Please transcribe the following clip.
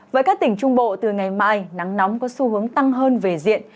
với các tỉnh trung bộ từ ngày mai nắng nóng có xu hướng tăng hơn về diện